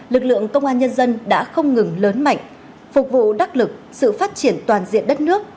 lực lượng công an nhân dân đã không ngừng lớn mạnh phục vụ đắc lực sự phát triển toàn diện đất nước